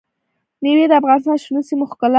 مېوې د افغانستان د شنو سیمو ښکلا ده.